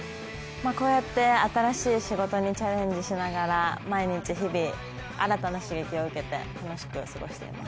こうやって新しい仕事にチャレンジしながら毎日、日々、新たな刺激を受けて楽しく過ごしています。